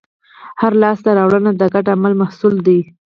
هره لاستهراوړنه د ګډ عمل محصول ده.